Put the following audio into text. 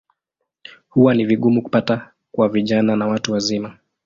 Huwa ni vigumu kupata kwa vijana na watu wazima.